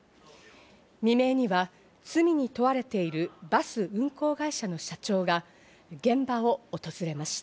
未明には罪に問われているバス運行会社の社長が現場を訪れました。